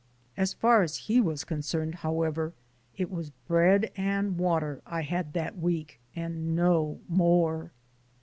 As far as he was concerned, however, it was bread and water I had that week and no more.